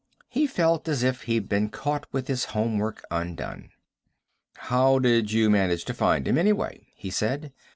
He felt as if he'd been caught with his homework undone. "How did you manage to find him, anyway?" he said.